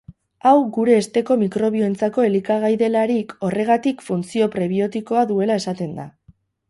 Hau gure hesteko mikrobioentzako elikagai delarik, horregatik funtzio prebiotikoa duela esaten da.